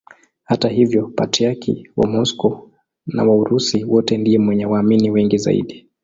Hata hivyo Patriarki wa Moscow na wa Urusi wote ndiye mwenye waamini wengi zaidi.